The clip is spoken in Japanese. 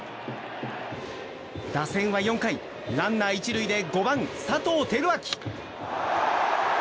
打線は４回、ランナー１塁で５番、佐藤輝明。